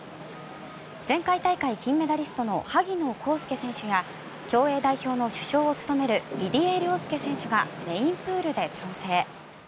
前回大会金メダリストの萩野公介選手や競泳代表の主将を務める入江陵介選手がメインプールで調整。